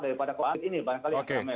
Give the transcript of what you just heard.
daripada covid ini banyak kali yang kami akan